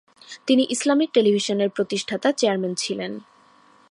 তিনি ইসলামিক টেলিভিশনের প্রতিষ্ঠাতা চেয়ারম্যান ছিলেন।